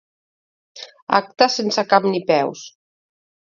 Acte sense cap ni peus.